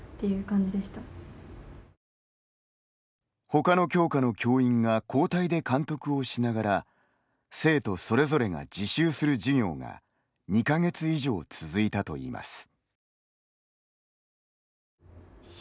ほかの教科の教員が交代で監督をしながら生徒それぞれが自習する授業が２か月以上、続いたといいます。